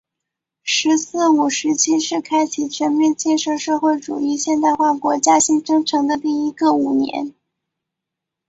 “十四五”时期是开启全面建设社会主义现代化国家新征程的第一个五年。